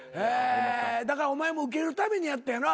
だからお前もウケるためにやったよな？